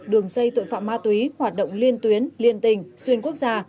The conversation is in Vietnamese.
đường dây tội phạm ma túy hoạt động liên tuyến liên tình xuyên quốc gia